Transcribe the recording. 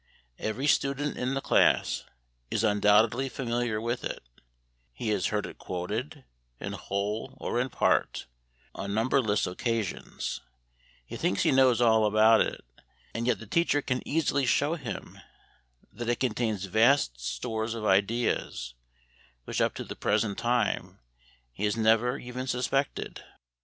Every student in the class is undoubtedly familiar with it; he has heard it quoted, in whole or in part, on numberless occasions; he thinks he knows all about it, and yet the teacher can easily show him that it contains vast stores of ideas which up to the present time he has never even suspected.